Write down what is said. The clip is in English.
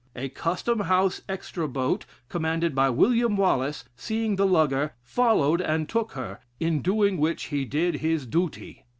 A Custom House extra boat, commanded by William Wallace, seeing the lugger, followed and took her; in doing which he did his duty.